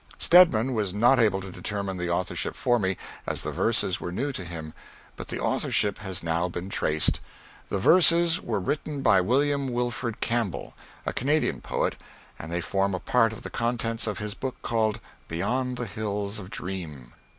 Stedman was not able to determine the authorship for me, as the verses were new to him, but the authorship has now been traced. The verses were written by William Wilfred Campbell, a Canadian poet, and they form a part of the contents of his book called "Beyond the Hills of Dream."